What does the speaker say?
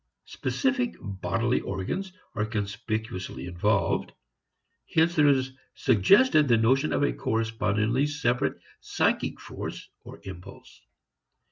Specific bodily organs are conspicuously involved. Hence there is suggested the notion of a correspondingly separate psychic force or impulse.